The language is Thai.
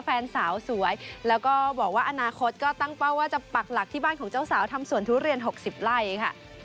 แฟนสาวสวยแล้วก็บอกว่าอนาคตก็ตั้งเป้าว่าจะปักหลักที่บ้านของเจ้าสาวทำสวนทุเรียน๖๐ไร่ค่ะ